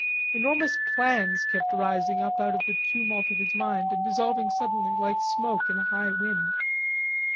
Enormous plans kept rising up out of the tumult of his mind and dissolving suddenly like smoke in a high wind.